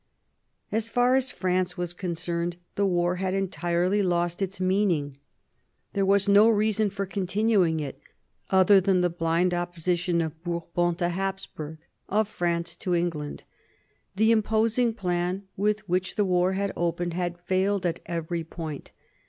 As far as France was concerned, the war had entirely lost its meaning. There was no reason for continuing it, other than the blind opposition of Bourbon to Hapsburg, 1745 48 WAR OF SUCCESSION 53 of France to England. The imposing plan with which the war had opened had failed at every point.